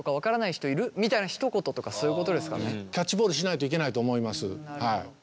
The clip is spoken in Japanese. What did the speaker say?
キャッチボールしないといけないと思います。